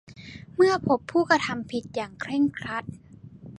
เมื่อพบผู้กระทำผิดอย่างเคร่งครัด